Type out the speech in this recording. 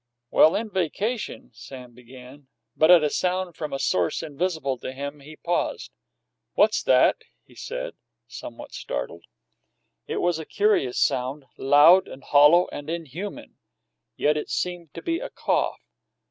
"Well, in vacation " Sam began, but at a sound from a source invisible to him he paused. "What's that?" he said, somewhat startled. It was a curious sound, loud and hollow and unhuman, yet it seemed to be a cough.